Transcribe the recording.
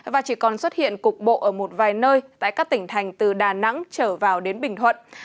và chỉ còn xuất hiện cục bộ ở một vài nơi tại các tỉnh thành từ đà nẵng trở vào đến bình thuận